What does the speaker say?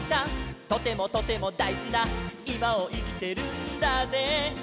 「とてもとてもだいじないまをいきてるんだぜ」